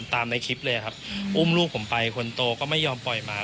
ในคลิปเลยครับอุ้มลูกผมไปคนโตก็ไม่ยอมปล่อยมา